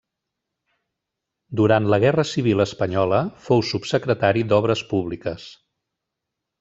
Durant la guerra civil espanyola fou subsecretari d'obres públiques.